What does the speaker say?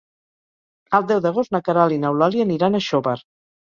El deu d'agost na Queralt i n'Eulàlia aniran a Xóvar.